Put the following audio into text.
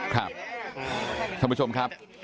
ครับสำหรับผู้ชมครับ